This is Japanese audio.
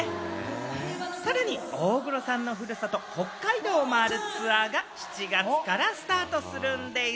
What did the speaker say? さらに大黒さんのふるさと・北海道を回るツアーが７月からスタートするんでぃす！